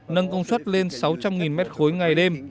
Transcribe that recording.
nâng công suất lên sáu trăm linh m ba ngày đêm